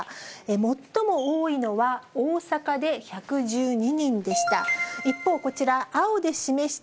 最も多いのは、大阪で１１２人でした。